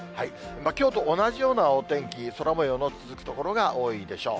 きょうと同じようなお天気、空もようの続く所が多いでしょう。